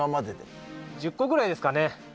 １０個ぐらいですかね。